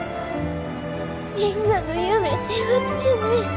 みんなの夢背負ってんねん。